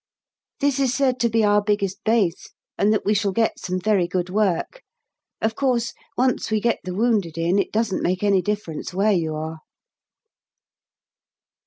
This is said to be our biggest base, and that we shall get some very good work. Of course, once we get the wounded in it doesn't make any difference where you are.